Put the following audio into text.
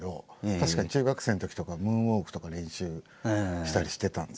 確かに中学生のときとかムーンウォークとか練習したりしてたんですけど。